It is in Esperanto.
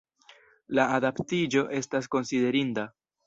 La adaptiĝo estas konsiderinda.